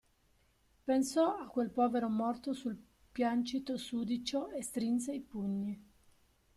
Pensò a quel povero morto sul piancito sudicio e strinse i pugni.